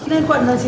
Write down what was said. lên quận rồi chị